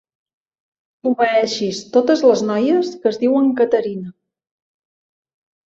Obeeixis totes les noies que es diuen Caterina.